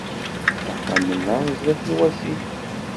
Axxam-nneɣ sdat n wasif.